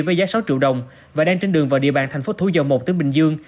với giá sáu triệu đồng và đang trên đường vào địa bàn thành phố thủ dầu một tỉnh bình dương